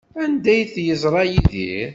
Anda ay t-yeẓra Yidir?